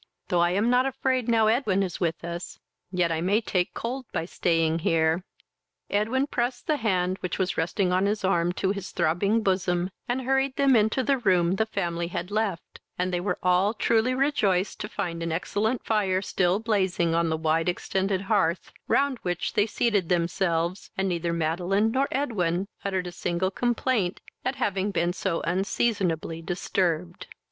Though I am not afraid now Edwin is with us, yet I may take cold by staying here." Edwin pressed the hand which was resting on his arm to his throbbing bosom, and hurried them into the room the family had left, and they were all truly rejoiced to find an excellent fire still blazing on the wide extended hearth, round which they seated themselves, and neither Madeline nor Edwin uttered a single complaint at having been so unseasonably disturbed.